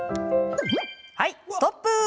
はい、ストップ。